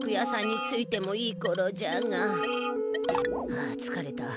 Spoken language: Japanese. あつかれた。